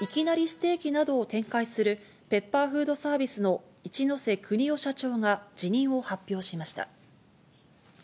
ステーキなどを展開する、ペッパーフードサービスの一瀬邦夫社長が辞任を発表しました。